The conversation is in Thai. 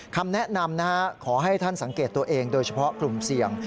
คำแนะนำขอให้ท่านสังเกตตัวเองโดยเฉพาะกลุ่มเสี่ยง